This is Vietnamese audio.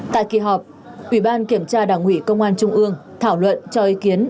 tại kỳ họp ủy ban kiểm tra đảng ủy công an trung ương thảo luận cho ý kiến